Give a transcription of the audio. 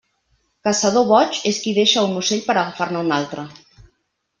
Caçador boig és qui deixa un ocell per agafar-ne un altre.